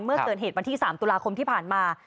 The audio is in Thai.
เมื่อเกิดเหตุวันที่๓ตุลาคมที่ผ่านมา